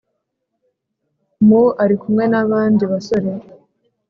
mu , ari kumwe n'abandi basore